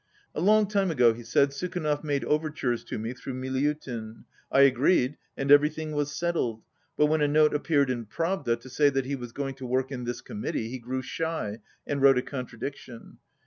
"A long time ago," he said, "Sukhanov made overtures to me through Miliutin. I agreed, and everything was settled, but when a note appeared in Pravda to say that he was going to work in this Committee, he grew shy, and wrote a contra diction.